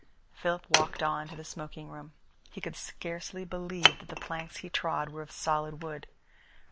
Philip walked on to the smoking room. He could scarcely believe that the planks he trod were of solid wood.